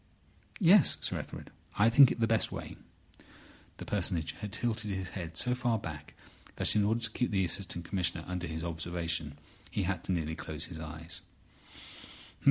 "Yes, Sir Ethelred. I think it the best way." The Personage had tilted his head so far back that, in order to keep the Assistant Commissioner under his observation, he had to nearly close his eyes.